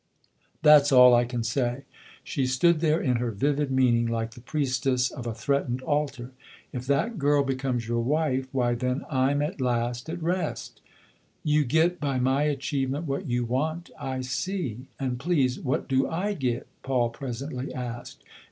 That's all I can say." She stood there in her vivid meaning like the priestess of a threatened altar. " If that girl becomes your wife why then I'm at last at rest 1 " i( You get, by my achievement, what you want I see. And, please, what do / get ?" Paul presently asked.